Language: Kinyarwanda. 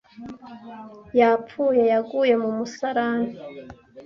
yapfuye Yaguye mu musarani